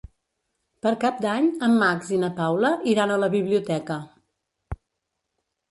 Per Cap d'Any en Max i na Paula iran a la biblioteca.